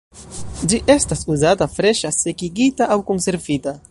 Ĝi estas uzata freŝa, sekigita aŭ konservita.